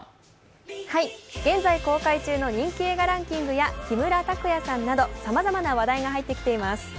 現在公開中の人気映画ランキングや木村拓哉さんなど、さまざまな話題が入ってきています。